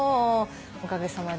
おかげさまで。